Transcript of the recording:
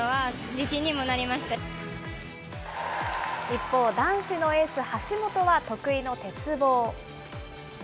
一方、男子のエース、橋本は得意の鉄棒。